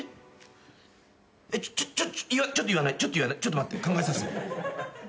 ちょっと言わないちょっと待って考えさせて。